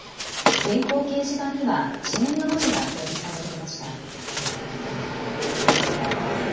電光掲示板には遅延の文字が表示されていました。